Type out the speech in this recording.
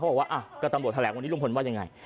บอกว่าก็ตำรวจแถลงวันนี้ลุงพลว่ายังไง